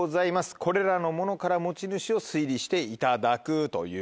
これらのものから持ち主を推理していただくということで。